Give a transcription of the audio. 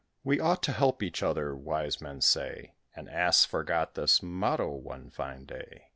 We ought to help each other, wise men say: An Ass forgot this motto, one fine day.